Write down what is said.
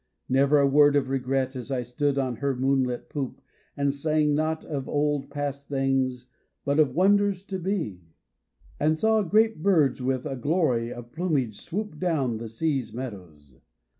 Never a word of regret as I stood on her moonlit poop And sang not of old past things but of wonders to be; And saw great birds with a glory of plumage swoop Down the sea's meadows.